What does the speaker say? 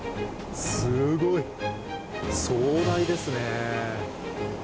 すごい、壮大ですね。